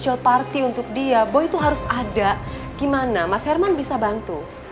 social party untuk dia bahwa itu harus ada gimana mas herman bisa bantu